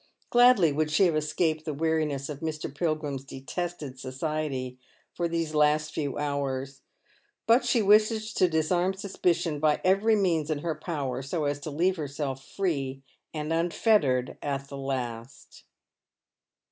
Gladly would she have escaped the weariness of Mr. Pilgiim's detested society for these last few hours, but she "wishes to disarm suspicion by every means in her power, so as to leave herself free and unfettered at the last.